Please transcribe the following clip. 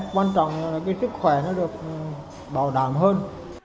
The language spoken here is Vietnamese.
quan trọng là cái sức khỏe nó được bảo đảm hơn